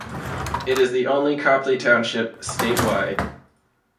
It is the only Copley Township statewide.